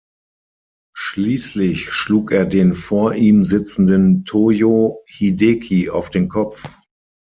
Schließlich schlug er den vor ihm sitzenden Tōjō Hideki auf den Kopf.